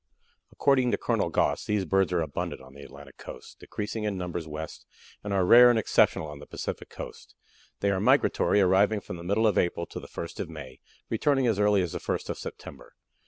According to Colonel Goss, these birds are abundant on the Atlantic coast, decreasing in numbers west, and are rare and exceptional on the Pacific coast. They are migratory, arriving from the middle of April to the first of May, returning as early as the first of September.